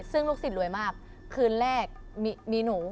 ซึ่งลูกศิษย์รวยมากคืนแรกมีหนู